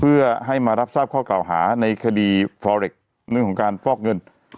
เพื่อให้มารับทราบข้อเก่าหาในคดีฟอเรคเรื่องของการฟอกเงิน